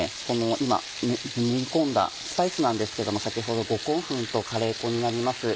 今もみ込んだスパイスなんですけども五香粉とカレー粉になります。